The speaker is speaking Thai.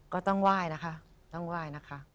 ก็ต้องไหว้นะคะ